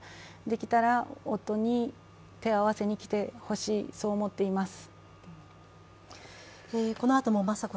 できたら夫に手を合わせに来てほしいと思っています。